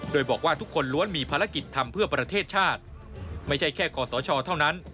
โดยบอกว่าทุกคนล้วนมีภารกิจทำเพื่อประเทศชาติไม่ใช่แค่ขอสชเท่านั้น